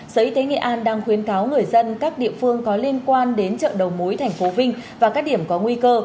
sở y tế nghệ an đang khuyến cáo người dân các địa phương có liên quan đến chợ đầu mối thành phố vinh và các điểm có nguy cơ